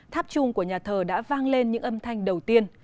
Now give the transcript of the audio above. tháp chung của nhà thờ đã vang lên những âm thanh đầu tiên